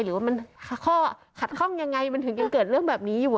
หรือว่ามันข้อขัดข้องยังไงมันถึงยังเกิดเรื่องแบบนี้อยู่